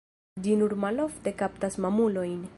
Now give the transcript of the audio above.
Ĝi nur malofte kaptas mamulojn.